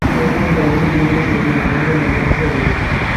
এই অপমান পাইয়া বিনোদিনী নম্রমৃদুস্বরে কহিল, মহেন্দ্র নাই, মহেন্দ্র শহরে গেছে।